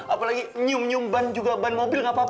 apalagi nyium nyium ban juga ban mobil nggak apa apa